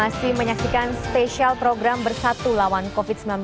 masih menyaksikan spesial program bersatu lawan covid sembilan belas